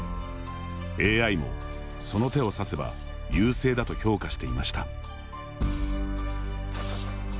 ＡＩも、その手を指せば優勢だと評価していました。